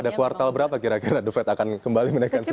pada kuartal berapa kira kira the fed akan kembali menaikkan suku bunga